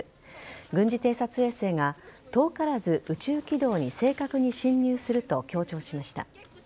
軍事偵察衛星が遠からず宇宙軌道に正確に進入すると強調しました。